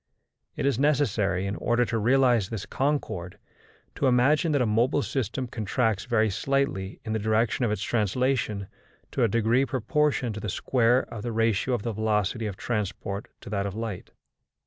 It is necessary, in order to realise this concord, to imagine that a mobile system contracts very slightly in the direction of its translation to a degree proportioned to the square of the ratio of the velocity of transport to that of light.